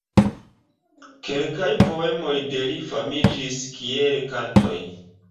Kelkaj poemoj de li famiĝis kiel kantoj.